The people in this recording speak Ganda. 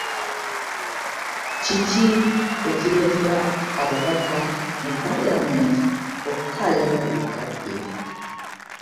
Kiki ekiretera ababaka mu paliyamenti okukayana buli kadde?